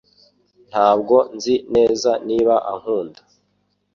Ntabwo nzi neza niba ankunda